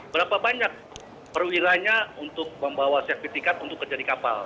berapa banyak perwilanya untuk membawa safety card untuk kerja di kapal